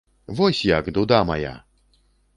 Вось як, дуда мая!